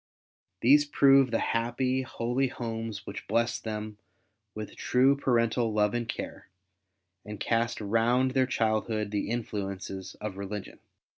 These prove the happy, holy homes which blessed them with true parental love and care, and cast round their childhood the influences of religion.